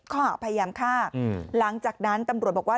ข้อหาพยายามฆ่าหลังจากนั้นตำรวจบอกว่า